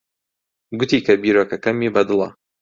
گوتی کە بیرۆکەکەمی بەدڵە.